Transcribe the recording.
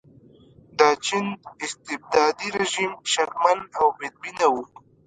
د چین استبدادي رژیم شکمن او بدبینه و.